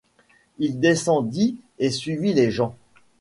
Il descendit et suivit les gens.